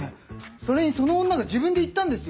それにその女が自分で言ったんですよ。